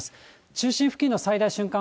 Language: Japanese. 中心付近の最大瞬間